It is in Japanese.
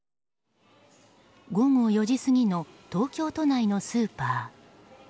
午後４時過ぎの東京都内のスーパー。